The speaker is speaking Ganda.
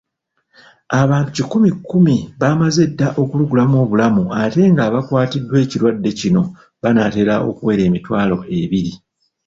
Abantu kikumi kumi baamaze dda okulugulamu obulamu ate ng'abakwatiddwa ekirwadde kino banaatera okuwera emitwalo ebiri.